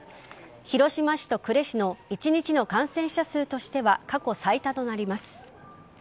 広島市と呉市の一日の感染者数としては過去最多となります。